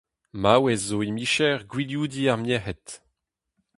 Maouez zo he micher gwilioudiñ ar merc'hed.